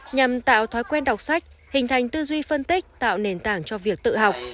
nhằm tạo thói quen đọc sách hình thành tư duy phân tích tạo nền tảng cho việc tự học